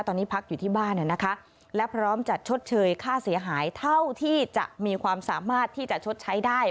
ตอนนี้พักอยู่ที่บ้านนะคะและพร้อมจัดชดเชยค่าเสียหายเท่าที่จะมีความสามารถที่จะชดใช้ได้